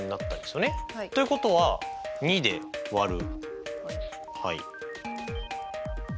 ということは２で割る。